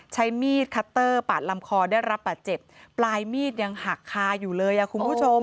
ใช้มีดคัตเตอร์ปาดลำคอได้รับบาดเจ็บปลายมีดยังหักคาอยู่เลยอ่ะคุณผู้ชม